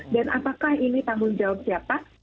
dan apakah ini tanggung jawab siapa